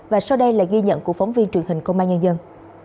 và sau đây là ghi nhận của phóng viên truyền hình công an nhân dân